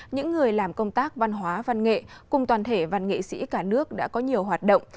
những người làm công tác văn hóa văn nghệ cùng toàn thể văn nghệ sĩ cả nước đã có nhiều hoạt động